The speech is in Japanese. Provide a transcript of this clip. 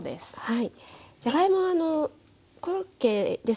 はい。